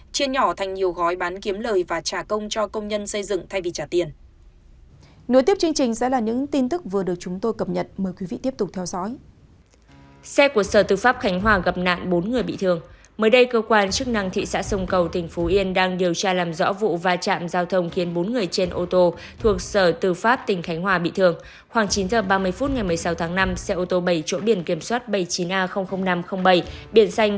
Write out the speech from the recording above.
chia nhỏ thành nhiều gói bán kiếm lời và trả công cho công nhân xây dựng thay vì trả tiền